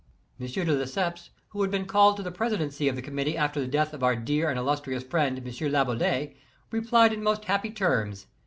M* de Lesseps, who had been called to the presidency of the Committee after the death of our dear and illustri ous friend, M. Laboulaye, replied in most happy terms.